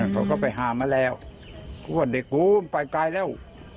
เขาก็ไปหามาแล้วก็ว่าเด็กลอยน้ำไปไกลแล้ว